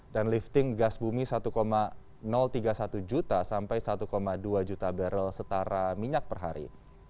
dan lifting gas bumi rp satu tiga puluh satu sampai rp satu dua ratus setara minyak per hari